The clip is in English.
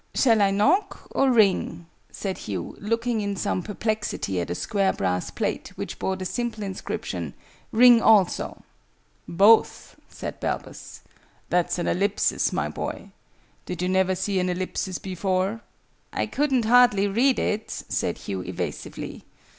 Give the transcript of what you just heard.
"Shall I knock, or ring?" said Hugh, looking in some perplexity at a square brass plate which bore the simple inscription "RING ALSO." "Both," said Balbus. "That's an Ellipsis, my boy. Did you never see an Ellipsis before?" "I couldn't hardly read it," said Hugh, evasively.